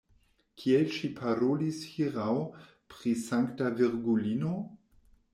Kiel ŝi parolis hieraŭ pri Sankta Virgulino.